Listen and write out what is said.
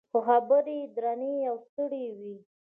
خو خبرې یې درنې او ستړې وې.